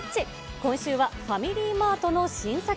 今週はファミリーマートの新作。